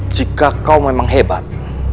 jika kau memang hebat